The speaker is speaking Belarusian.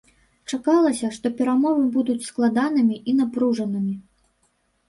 Чакалася, што перамовы будуць складанымі і напружанымі.